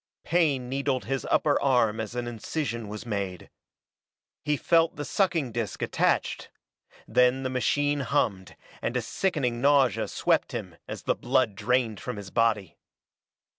Pain needled his upper arm as an incision was made. He felt the sucking disk attached; then the machine hummed, and a sickening nausea swept him as the blood drained from his body.